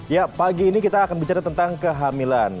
ya pagi ini kita akan bicara tentang kehamilan